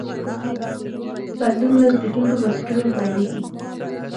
بدلون له زبېښونکو بنسټونو پیلېږي.